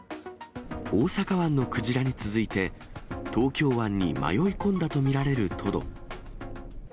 大阪湾のクジラに続いて、東京湾に迷い込んだと見られるトド。